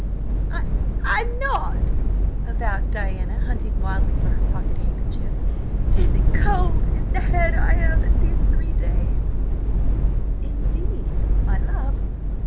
"I–I'm n not!" avowed Diana, hunting wildly for her pocket handkerchief. "'Tis a cold in the head I have had these three days." "Indeed, my love?